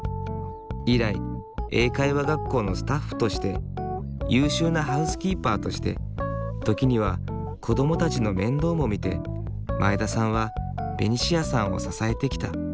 以来英会話学校のスタッフとして優秀なハウスキーパーとして時には子どもたちの面倒も見て前田さんはベニシアさんを支えてきた。